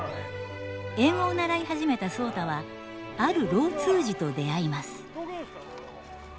英語を習い始めた壮多はある老通詞と出会います。